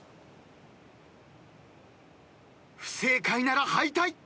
不正解なら敗退。